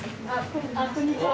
あっこんにちは。